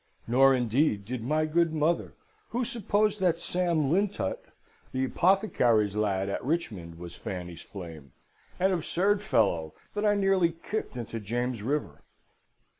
Nor, indeed, did my good mother, who supposed that Sam Lintot, the apothecary's lad at Richmond, was Fanny's flame an absurd fellow that I near kicked into James River.